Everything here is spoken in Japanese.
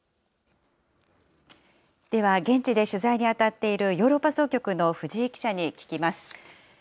では現地で取材に当たっているヨーロッパ総局の藤井記者に聞きます。